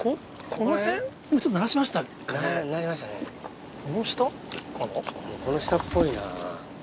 この下っぽいな。